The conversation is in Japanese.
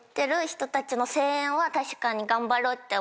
確かに。